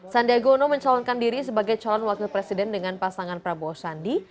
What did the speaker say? sandiagono mencalonkan diri sebagai calon wakil presiden dengan pasangan prabowo sandi